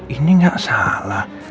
ini gak salah